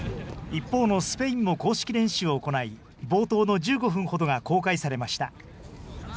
一方のスペインも公式練習を行い、冒頭の１５分ほどが公開されました。